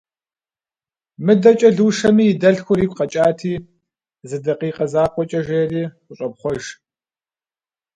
Мыдэкӏэ Лушэми и дэлъхур игу къэкӏати, зы дакъикъэ закъуэкӏэ жери, къыщӏопхъуэж.